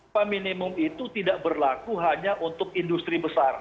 peminimum itu tidak berlaku hanya untuk industri besar